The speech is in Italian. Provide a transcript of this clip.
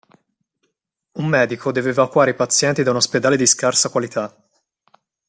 Un medico deve evacuare i pazienti da un ospedale di scarsa qualità.